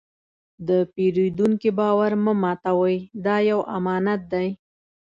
د پیرودونکي باور مه ماتوئ، دا یو امانت دی.